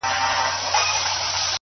o د هغه ورځي څه مي،